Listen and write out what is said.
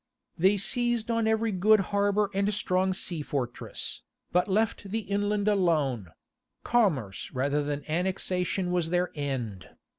They seized on every good harbour and strong sea fortress, but left the inland alone; commerce rather than annexation was their end.